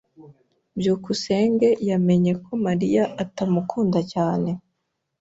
byukusenge yamenye ko Mariya atamukunda cyane.